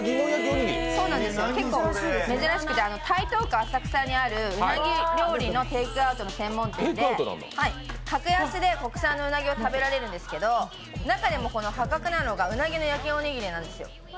結構珍しくて台東区浅草にあるうなぎ料理のテイクアウト専門店で、格安で国産のうなぎを食べられるんですけど中でも破格なのが、うなぎの焼きおにぎりなんですよ。